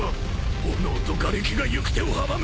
炎とがれきが行く手を阻む！